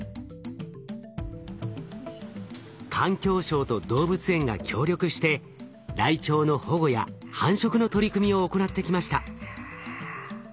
環境省と動物園が協力してライチョウの保護や繁殖の取り組みを行ってきました。